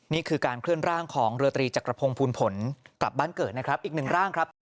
นี่คือการเคลื่อนร่างของเรือตรีจักรพงศ์ภูลผลกลับบ้านเกิดนะครับอีกหนึ่งร่างครับ